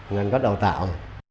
ngành có đào tạo